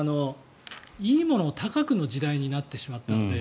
いいものを高くの時代になってしまったので。